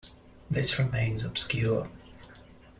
This remains obscure...